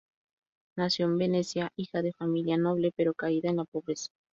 Nació en Venecia, hija de familia noble, pero caída en la pobreza.